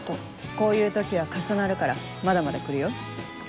こういう時は重なるからまだまだ来るよ。